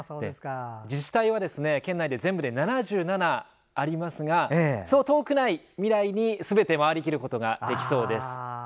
自治体は全部で７７ありますがそう遠くない未来にすべて回り切ることができそうです。